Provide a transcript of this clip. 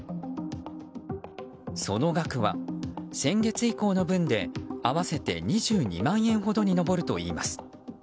その額は先月以降の分で合わせて２２万円ほどに上るといいます。